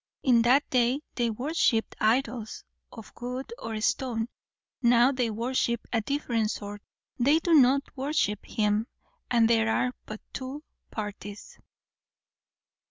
In that day they worshipped idols of wood and stone; now they worship a different sort. They do not worship him; and there are but two parties."